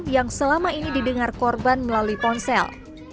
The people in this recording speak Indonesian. yang selama ini didengar korban melalui ponsel